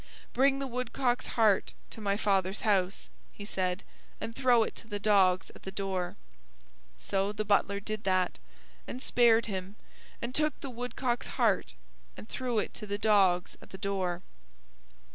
Bring the woodcock's heart to my father's house," he said, "and throw it to the dogs at the door." So the butler did that, and spared him, and took the woodcock's heart and threw it to the dogs at the door.